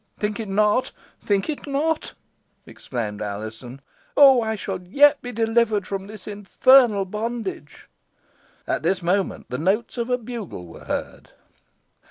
"Think it not! think it not!" exclaimed Alizon. "Oh! I shall yet be delivered from this infernal bondage." At this moment the notes of a bugle were heard.